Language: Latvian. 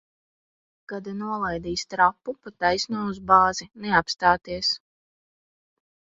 Kad nolaidīs trapu, pa taisno uz bāzi. Neapstāties!